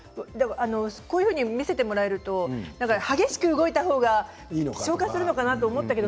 こうやって見せてもらうと激しく動いたほうが消化するのかなと思ったけど